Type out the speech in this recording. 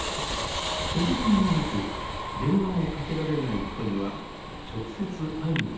所持金がなく電話もかけられない人には直接会いに出かけます。